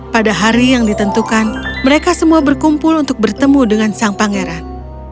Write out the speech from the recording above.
pada hari yang ditentukan mereka semua berkumpul untuk bertemu dengan sang pangeran